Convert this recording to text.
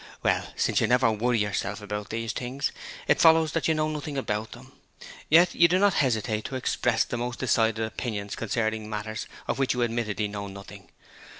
Well, since you never "worry" yourself about these things, it follows that you know nothing about them; yet you do not hesitate to express the most decided opinions concerning matters of which you admittedly know nothing.